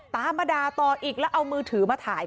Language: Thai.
ตามมาด่าต่ออีกแล้วเอามือถือมาถ่าย